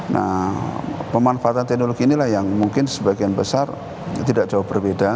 nah pemanfaatan teknologi inilah yang mungkin sebagian besar tidak jauh berbeda